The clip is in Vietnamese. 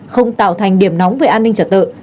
không tạo thành điểm nóng về an ninh trật tự